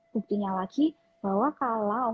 buktinya lagi bahwa kalau